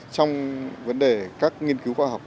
trong vấn đề các nghiên cứu khoa học